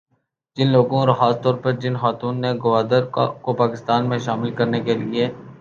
جن لوگوں اور خاص طور پر جن خاتون نے گوادر کو پاکستان میں شامل کرنے کے لیے